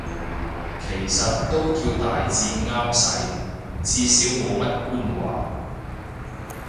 其實都叫大致啱使，至少冇乜官話